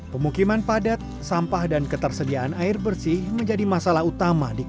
pemukiman padat sampah dan ketersediaan air bersih menjadi masalah utama di kota